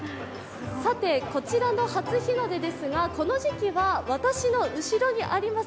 こちらの初日の出ですが、この時期は私の後ろにあります